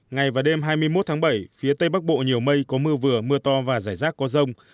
ngày và đêm hai mươi một tháng bảy phía tây bắc bộ nhiều mây có mưa vừa mưa to và rải rác có rông